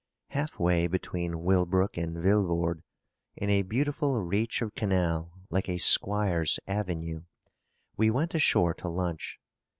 Half way between Willebroek and Villevorde, in a beautiful reach of canal like a squire's avenue, we went ashore to lunch.